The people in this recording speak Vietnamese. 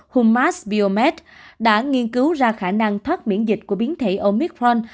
humas biomed đã nghiên cứu ra khả năng thoát miễn dịch của biến thể omicron